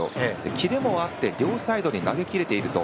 キレもあって両サイドに投げれていると。